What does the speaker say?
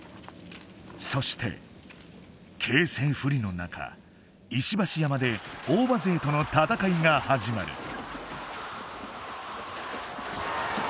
そして形勢不利の中石橋山で大庭勢との戦いが始まる。